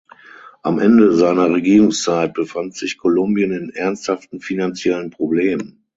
Am Ende seiner Regierungszeit befand sich Kolumbien in ernsthaften finanziellen Problemen.